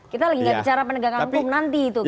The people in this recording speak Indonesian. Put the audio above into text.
kita lagi gak bicara penegakan hukum nanti itu